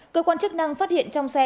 cơ quan chức năng phát hiện trong xe